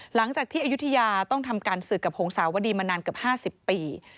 หลังจากที่อายุทยาต้องทำการศึกกับหงสาวดีมานานเกือบ๕๐ปี